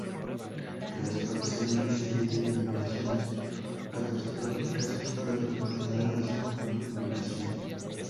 Tras padecer una serie de inundaciones catastróficas, fue trasladada a su actual ubicación.